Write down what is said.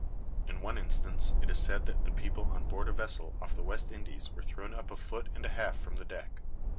In one instance, it is said that the people on board a vessel off the West Indies were thrown up a foot and a half from the deck.